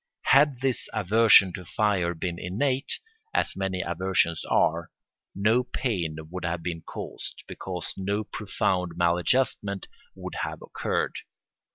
Had this aversion to fire been innate, as many aversions are, no pain would have been caused, because no profound maladjustment would have occurred.